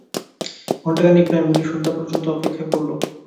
ঘন্টাখানিক নয়, মুনির সন্ধ্যা পর্যন্ত অপেক্ষা করল।